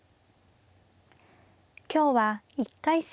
今日は１回戦